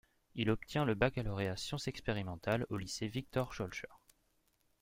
Il obtient le baccalauréat Sciences Expérimentales au lycée Victor-Schœlcher.